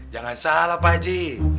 jangan salah pak ji